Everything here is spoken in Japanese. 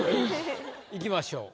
いきましょう。